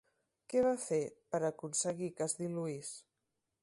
Què va fer per aconseguir que es diluís?